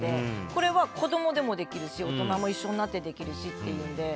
これは、子供でもできるし大人も一緒になってできるしっていうので。